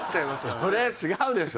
それは違うでしょ？